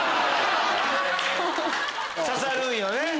刺さるんよね！